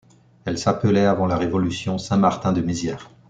Elle s'appelait, avant la Révolution, Saint-Martin-de-Mézières.